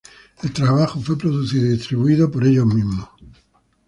El trabajo fue producido y distribuido por ellos mismos.